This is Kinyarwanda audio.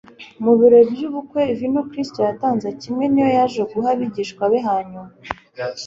Mu birori by'ubukwe, vino Kristo yatanze kimwe n'iyo yaje guha abigishwa be hanyuma,